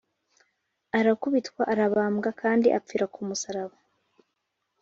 arakubitwa, arabambwa kandi apfira ku musaraba.